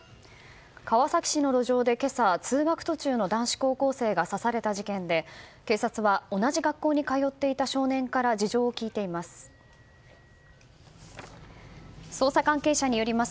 川崎市の路上で今朝、通学途中の男子高校生が刺された事件で、警察は同じ学校に通っていた少年から事情を聴いています。